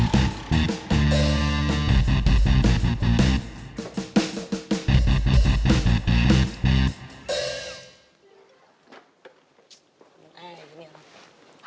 kamu banyak ngumpah